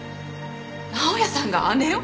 直哉さんが姉を？